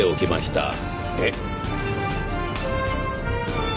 えっ？